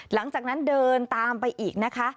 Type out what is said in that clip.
หลังจากนั้นเดินตามไปอีกนะคะ